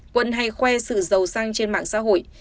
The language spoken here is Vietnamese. quân hay khoe sự giàu sang trên mạng xã hội